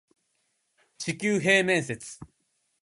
地球平面説